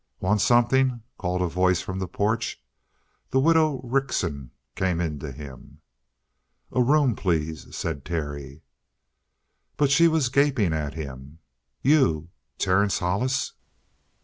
"Want something?" called a voice from the porch. The widow Rickson came in to him. "A room, please," said Terry. But she was gaping at him. "You! Terence Hollis!"